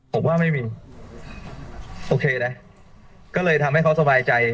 ผมว่าไม่มีโอเคนะก็เลยทำให้เขาสบายใจ